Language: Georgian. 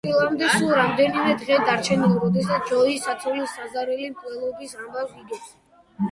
ქორწილამდე სულ რამდენიმე დღეა დარჩენილი, როდესაც ჯოი საცოლის საზარელი მკვლელობის ამბავს იგებს.